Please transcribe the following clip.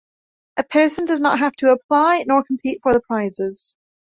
A person does not have to apply nor compete for the prizes.